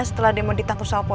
gue lagi lemah banget zak